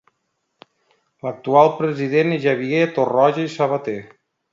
L'actual president és Xavier Torroja i Sabater.